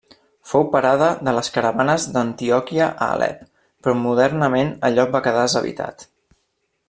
Fou parada de les caravanes d'Antioquia a Alep però modernament el lloc va quedar deshabitat.